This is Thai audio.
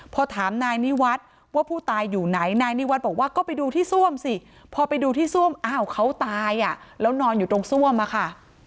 พอถามนายนิวัฒน์ว่าผู้ตายอยู่ไหนนายนิวัฒน์บอกว่าก็ไปดูที่ซ่วมสิพอไปดูที่ซ่วมอ้าวเขาตายอ่ะแล้วนอนอยู่ตรงซ่วมอะค่ะ